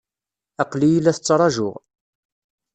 Aql-iyi la t-ttṛajuɣ.